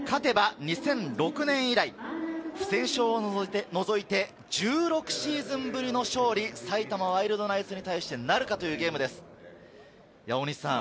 スピアーズ勝てば２００６年以来、不戦勝を除いて、１６シーズンぶりの勝利、埼玉ワイルドナイツに対してなるか？というゲームです。